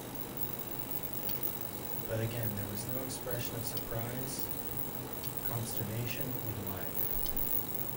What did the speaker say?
But again there was no expression of surprise, consternation, or delight.